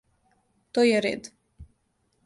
То је ред.